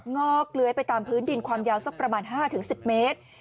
งอกเลื้อยไปตามพื้นดินความยาวสักประมาณ๕๑๐เมตร